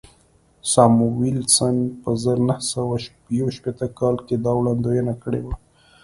ساموېلسن په زر نه سوه یو شپېته کال کې دا وړاندوینه کړې وه